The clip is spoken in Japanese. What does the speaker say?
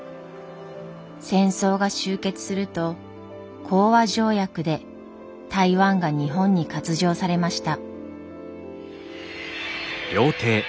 戦争が終結すると講和条約で台湾が日本に割譲されました。